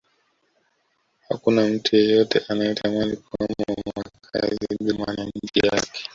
Hakuna mtu yeyote anayetamani kuhama makazi bila amani ya nchi yake